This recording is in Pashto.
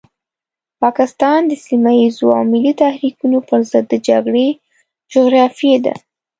پاکستان د سيمه ييزو او ملي تحريکونو پرضد د جګړې جغرافيې ده.